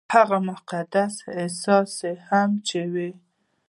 هغه مقدس احساس هم چې وايي-